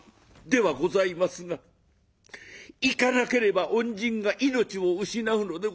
「ではございますが行かなければ恩人が命を失うのでございます。